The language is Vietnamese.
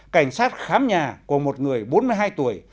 cảnh sát khám nhà của một người bốn mươi hai tuổi